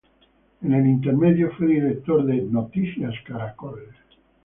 En el intermedio, fue director de "Noticias Caracol".